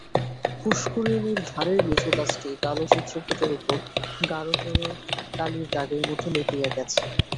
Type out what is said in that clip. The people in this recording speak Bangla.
পুষ্করিণীর ধারের লিচুগাছটি কালো চিত্রপটের উপর গাঢ়তর কালির দাগের মতো লেপিয়া গেছে।